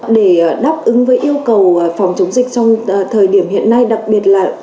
để đáp ứng với yêu cầu phòng chống dịch trong thời điểm hiện nay đặc biệt là